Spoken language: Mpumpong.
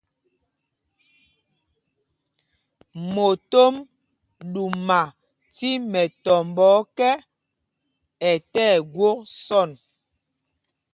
Motom ɗuma tí mɛtɔmbɔ ɔkɛ, ɛ tí ɛgwok sɔ̂n.